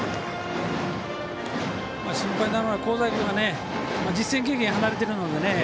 心配なのは香西君が実戦経験から離れているのでね。